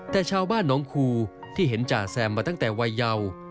แต่ชาวบ้านน้องคูที่เห็นจ่าแซมมาตั้งแต่วัยเยาว